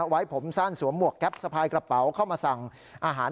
ไว้ผมสั้นสวมหวกแก๊ปสะพายกระเป๋าเข้ามาสั่งอาหาร